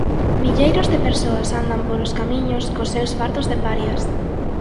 Milleiros de persoas andan polos camiños cos seus fardos de parias.